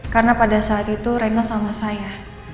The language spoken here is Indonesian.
karena pada saat itu rena sama saya